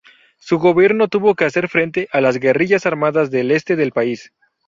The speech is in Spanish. Su gobierno tuvo que hacer frente a las guerrillas armadas del este del país.